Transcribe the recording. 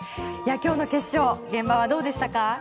今日の決勝現場はどうでしたか？